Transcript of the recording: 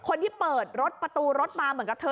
คนที่เปิดรถประตูรถมาเหมือนกับเธอ